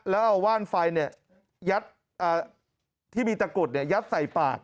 แล้วเอาว่านไฟเนี่ยยัดที่มีตะกรุดเนี่ยยัดใส่ปาก